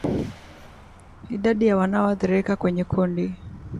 Idadi ya wanaoathirika kwenye kundi